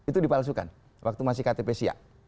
itu dipalsukan waktu masih ktp siap